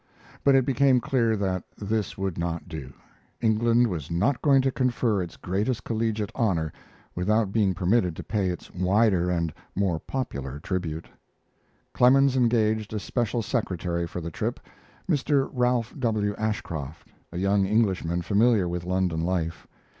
But it became clear that this would not do. England was not going to confer its greatest collegiate honor without being permitted to pay its wider and more popular tribute. Clemens engaged a special secretary for the trip Mr. Ralph W. Ashcroft, a young Englishman familiar with London life.